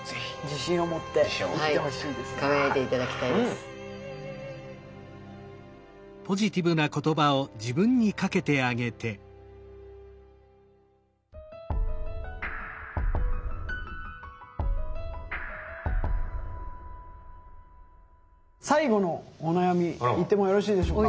あそうですね。最後のお悩みいってもよろしいでしょうか。